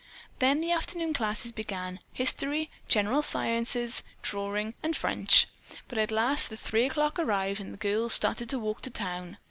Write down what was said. Then the afternoon classes began: History, General Sciences, Drawing, and French. But at last three o'clock arrived and the girls started to walk to town.